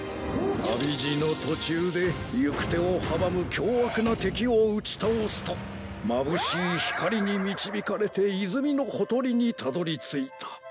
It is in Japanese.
旅路の途中で行く手を阻む凶悪な敵を打ち倒すとまぶしい光に導かれて泉のほとりにたどりついた。